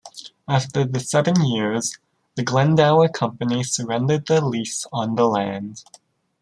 After the seven years, the Glendower Company surrendered their lease on the land.